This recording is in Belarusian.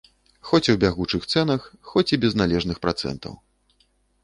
Хоць у бягучых цэнах, хоць і без належных працэнтаў.